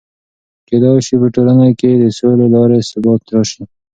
کېدای سي په ټولنه کې د سولې له لارې ثبات راسي.